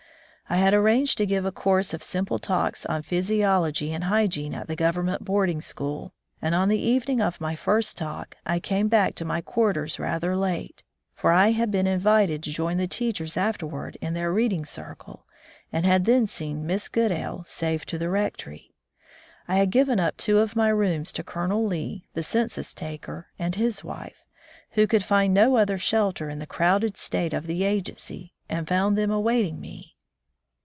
I had arranged to give a course of simple talks on physiology and hygiene at the Government boarding school, and on the evening of my first talk, I came back to my quarters rather late, for I had been invited to join the teachers afterward in their read ing circle, and had then seen Miss Goodale safe to the rectory. I had given up two of my rooms to Colonel Lee, the census taker, and his wife, who could find no other shelter in the crowded state of the agency, and found them await ing me.